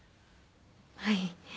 はい。